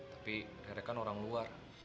tapi rere kan orang luar